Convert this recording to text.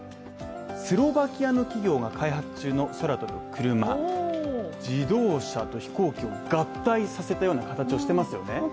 スロバキアの企業が開発中の空飛ぶクルマ、自動車と飛行機を合体させたような形をしていますよね。